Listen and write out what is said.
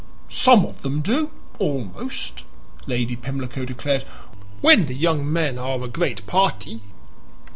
"Some of them do almost!" Lady Pimlico declared. "When the young men are a great PARTI."